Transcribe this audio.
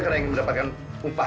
lari airin lagi ya lari